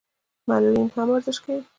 معلولین هم ورزش کوي.